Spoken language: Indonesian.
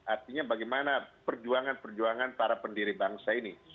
artinya bagaimana perjuangan perjuangan para pendiri bangsa ini